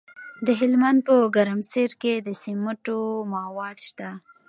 د هلمند په ګرمسیر کې د سمنټو مواد شته.